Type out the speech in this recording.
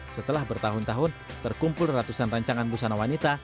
setelah bertahun tahun terkumpul ratusan rancangan busana wanita